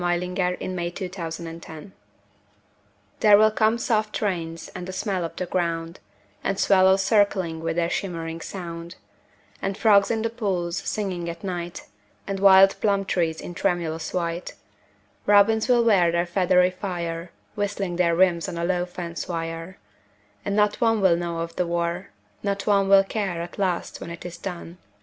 VIII "There Will Come Soft Rains" (War Time) There will come soft rains and the smell of the ground, And swallows circling with their shimmering sound; And frogs in the pools singing at night, And wild plum trees in tremulous white; Robins will wear their feathery fire Whistling their whims on a low fence wire; And not one will know of the war, not one Will care at last when it is done.